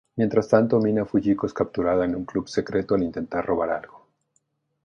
Mientras tanto "Mina Fujiko" es capturada en un club secreto al intentar robar algo.